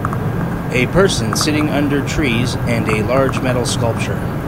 A person sitting under trees and a large metal sculpture.